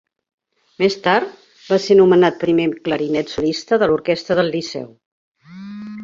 Més tard, va ser nomenat primer clarinet solista de l'Orquestra del Liceu.